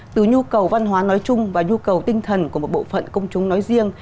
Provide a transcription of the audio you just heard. từ nhu cầu văn hóa nói chung và nhu cầu tinh thần của một bộ phận công chúng nói riêng